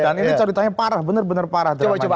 dan ini ceritanya parah benar benar parah drama nya